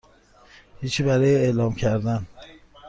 هیچی برای اعلام کردن